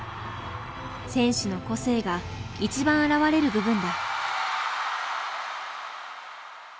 選手の個性が一番表れる部分だ。